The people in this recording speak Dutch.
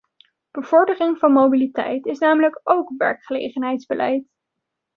Bevordering van mobiliteit is namelijk ook werkgelegenheidsbeleid.